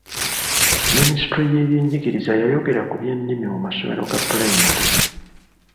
Minisitule y'ebyenjigiriza yayogera ku by'ennimi mu masomero ga pulayimale.